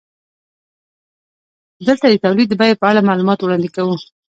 دلته د تولید د بیې په اړه معلومات وړاندې کوو